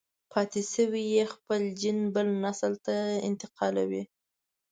پاتې شوی يې خپل جېن بل نسل ته انتقالوي.